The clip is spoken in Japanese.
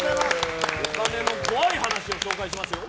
お金の怖い話を紹介しますよ。